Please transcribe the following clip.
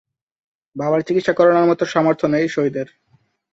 বাবার চিকিৎসা করানোর মতো সামর্থ্য নেই শহীদের।